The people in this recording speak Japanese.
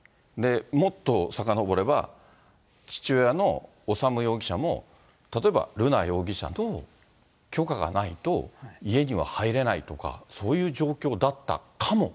もっとさかのぼれば、父親の修容疑者も、例えば瑠奈容疑者と、許可がないと家には入れないとか、そういう状況だったかも。